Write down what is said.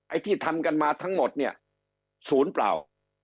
ที่ทำกันมาทั้งหมดเนี่ยศูนย์เปล่า